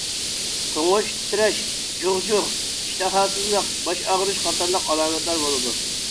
توڭۇپ تىترەش، جۇغ-جۇغ، ئىشتىھاسىزلىق، باش ئاغرىش قاتارلىق ئالامەتلەر بولىدۇ.